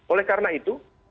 oleh karena itu